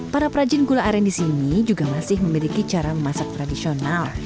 para perajin gula aren di sini juga masih memiliki cara memasak tradisional